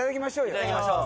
いただきましょう！